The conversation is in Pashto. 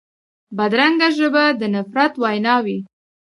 بدرنګه ژبه د نفرت وینا وي